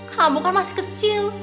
kamu kan masih kecil